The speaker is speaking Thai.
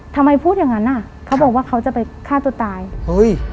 พูดอย่างงั้นอ่ะเขาบอกว่าเขาจะไปฆ่าตัวตายเฮ้ย